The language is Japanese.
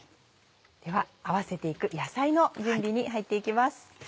では合わせて行く野菜の準備に入って行きます。